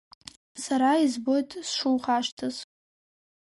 Сара избоит сшухашҭыз.